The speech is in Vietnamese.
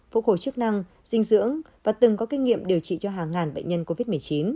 phục hồi chức năng dinh dưỡng và từng có kinh nghiệm điều trị cho hàng ngàn bệnh nhân covid một mươi chín